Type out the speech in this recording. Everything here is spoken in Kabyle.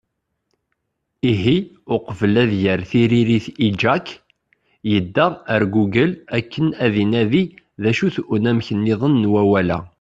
Ihi uqbel ad yerr tiririt i Jack, yedda ar Google akken ad inadi d acu-t unamek-nniḍen n wawal-a.